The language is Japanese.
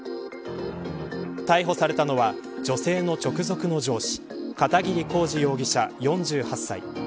逮捕されたのは女性の直属の上司片桐幸治容疑者、４８歳。